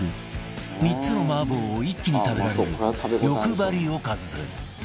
３つの麻婆を一気に食べられる欲張りおかず